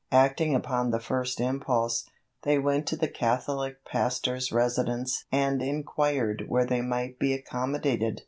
Acting upon the first impulse, they went to the Catholic pastor's residence and inquired where they might be accommodated.